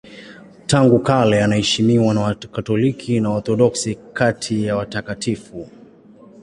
Tangu kale anaheshimiwa na Wakatoliki na Waorthodoksi kati ya watakatifu.